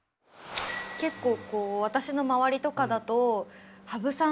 結構こう私の周りとかだと羽生さん